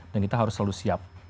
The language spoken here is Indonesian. dan kita harus selalu siap